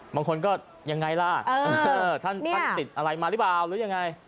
บางคนก็ยังไงล่ะท่านติดอะไรมาหรือเปล่าหรือยังไง